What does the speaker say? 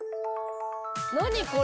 何これ。